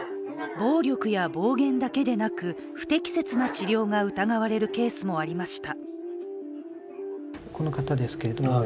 暴力や暴言だけでなく不適切な治療が疑われるケースもありました。